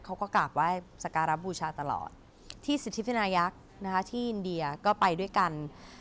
เขาก็กราบไหว้สการะบูชาตลอดที่สิทธิพินายักษ์นะคะที่อินเดียก็ไปด้วยกัน